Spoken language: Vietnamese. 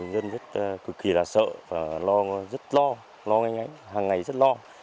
dân rất cực kỳ là sợ và lo rất lo lo ngay ngay hàng ngày rất lo